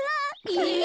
え！